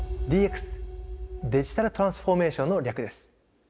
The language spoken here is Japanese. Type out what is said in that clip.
デジタルトランスフォーメーションの略です。